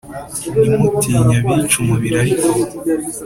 Ntimutinye abica umubiri ariko